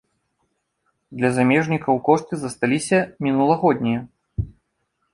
Для замежнікаў кошты засталіся мінулагоднія.